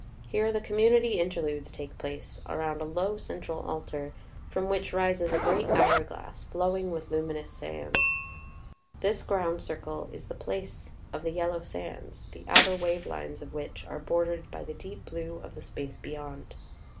Here the com munity Interludes take place around a low central Altar, from which rises a great hour glass, flowing with luminous sands. This ground circle is the place of the Yellow Sands, the outer wave lines of which are bordered by the deep blue of the space beyond.